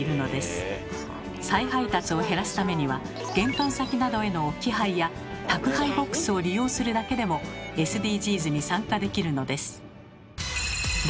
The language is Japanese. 再配達を減らすためには玄関先などへの置き配や宅配ボックスを利用するだけでもＳＤＧｓに参加できるのです。